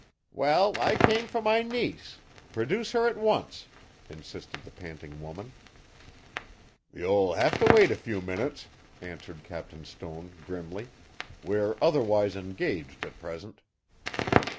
"Well, I came for my niece produce her at once," insisted the panting woman. "You'll have to wait a few minutes," answered Captain Stone, grimly. "We're otherwise engaged at present."